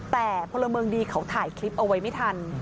แต่พลเมืองดีเขาถ่ายคลิปเอาไว้ไม่ทัน